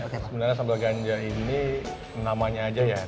sebenarnya sambal ganja ini namanya aja ya